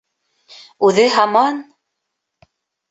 Үҙе һаман: